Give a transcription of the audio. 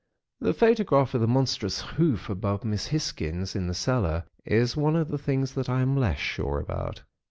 "The photograph of the monstrous hoof above Miss Hisgins in the cellar, is one of the things that I am less sure about.